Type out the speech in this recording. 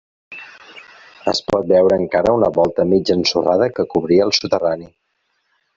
Es pot veure encara una volta mig ensorrada que cobria el soterrani.